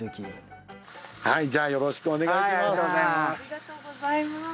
はいじゃあよろしくお願いします。